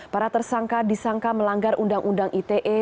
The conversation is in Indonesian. para tersangka disangka melanggar undang undang ite